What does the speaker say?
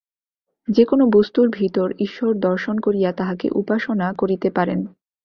যে-কোন বস্তুর ভিতর ঈশ্বর দর্শন করিয়া তাঁহাকে উপাসনা করিতে পারেন।